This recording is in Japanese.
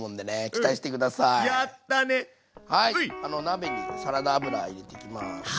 鍋にサラダ油入れていきます。